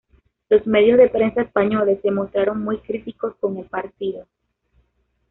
Los medios de prensa españoles se mostraron muy críticos con el partido.